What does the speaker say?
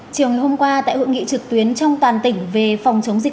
chiều ngày hôm qua tại hội nghị trực tuyến trong toàn tỉnh về phòng chống dịch